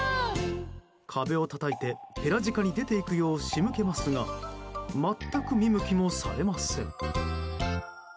壁をたたいて、ヘラジカに出ていくよう仕向けますが全く見向きもされません。